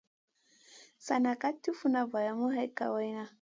Sana ka ti funa valamu hay kawayna.